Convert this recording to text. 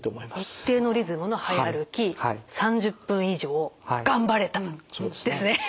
「一定のリズムの早歩き３０分以上頑張れた」ですね。